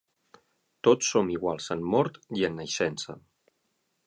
Tots som iguals en mort i en naixença.